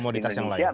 komoditas yang lain